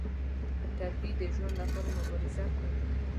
ټپي د ژوند لپاره مبارزه کوي.